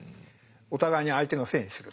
お互いに相手のせいにする。